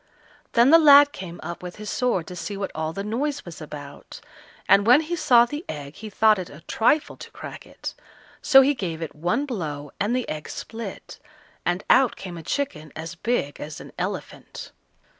Then the lad came up with his sword to see what all the noise was about, and when he saw the egg, he thought it a trifle to crack it; so he gave it one blow and the egg split, and out came a chicken as big as an elephant.